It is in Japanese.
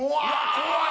怖い。